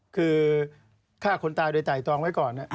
คือฆ่าคนตายโดยไตรตรองไว้ก่อน